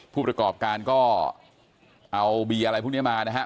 ผู้ประกอบการก็เอาเบียร์อะไรพวกนี้มานะฮะ